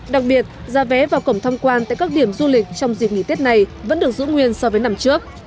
đặc biệt giá vé vào cổng thăm quan tại các điểm du lịch trong dịp nghỉ tết này vẫn được giữ nguyên so với năm trước